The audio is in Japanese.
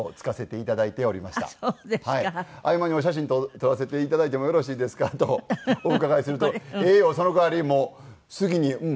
合間に「お写真撮らせていただいてもよろしいですか？」とお伺いすると「ええよ。その代わりもう好きにうん。